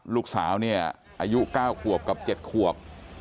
ลูกสาวเนี่ยอายุ๙ขวบกับ๗ขวบ